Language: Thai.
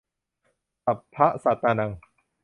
สัพพะสัตตานัง